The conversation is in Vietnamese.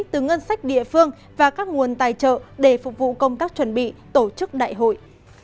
từ ngân sách địa phương và các nguồn tài trợ để phục vụ công tác chuẩn bị tổ chức đại hội